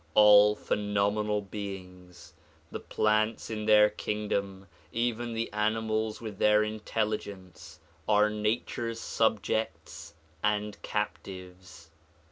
All phenomenal beings, — the plants in their kingdom, even the animals with their intelligence are nature's subjects and captives.